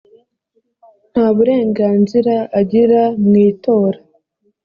nta burenganzira agira mu itora